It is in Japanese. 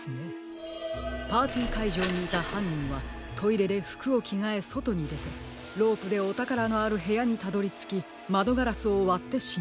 パーティーかいじょうにいたはんにんはトイレでふくをきがえそとにでてロープでおたからのあるへやにたどりつきまどガラスをわってしんにゅう。